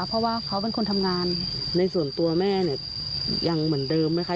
เพราะว่าเขาเป็นคนทำงานในส่วนตัวแม่เนี่ยยังเหมือนเดิมไหมคะ